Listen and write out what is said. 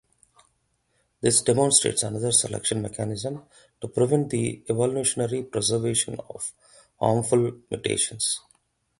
This demonstrates another selection mechanism to prevent the evolutionary preservation of harmful mutations.